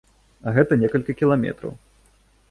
А гэта некалькі кіламетраў.